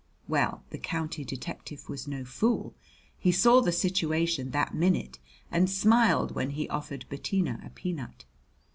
Well, the county detective was no fool. He saw the situation that minute, and smiled when he offered Bettina a peanut.